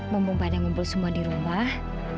mumpung pada ngumpul semua di rumah